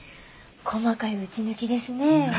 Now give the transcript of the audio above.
細かい打ち抜きですね。